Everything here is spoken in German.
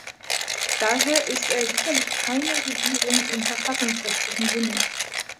Daher ist er sicherlich keine Regierung im verfassungsrechtlichen Sinne.